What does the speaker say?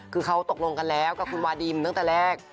คือเขาตกลงกันแล้วกับคุณวาดิมตั้งแต่แรก